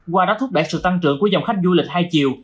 qua đáp thuốc đại sự tăng trưởng của dòng khách du lịch hai chiều